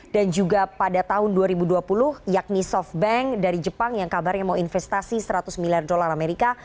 dan juga pada tahun dua ribu dua puluh yakni softbank dari jepang yang kabarnya mau investasi seratus miliar dolar amerika